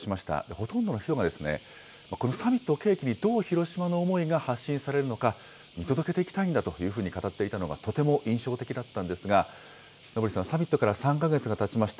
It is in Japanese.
ほとんどの人がですね、このサミットを契機に、どう広島の思いが発信されるのか、見届けていきたいんだというふうに語っていたのが、とても印象的だったんですが、昇さん、サミットから３か月がたちました。